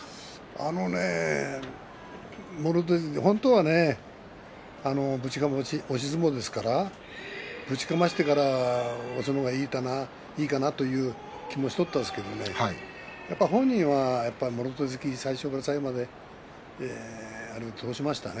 あのね本当はねぶちかまし、押し相撲ですからぶちかましてから押すのがいいかなという気もしとったんですけどやっぱり本人は、もろ手突き最初から最後まで通しましたね。